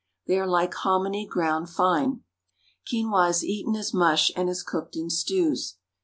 They are like hominy ground fine. Quinua is eaten as mush and is cooked in stews.